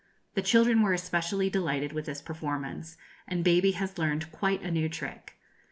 The children were especially delighted with this performance, and baby has learned quite a new trick.